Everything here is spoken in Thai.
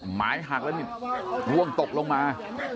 หมายหักแล้วนี่ร่วงตกลงมา